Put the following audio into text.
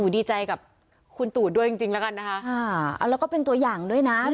ดีใจกับคุณตูดด้วยจริงแล้วกันนะคะแล้วก็เป็นตัวอย่างด้วยนะ